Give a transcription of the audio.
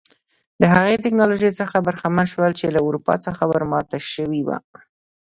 د هغې ټکنالوژۍ څخه برخمن شول چې له اروپا څخه ور ماته شوې وه.